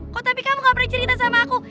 kok tapi kamu gak pernah cerita sama aku